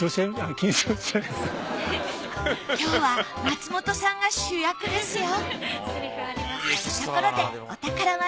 今日は松本さんが主役ですよ。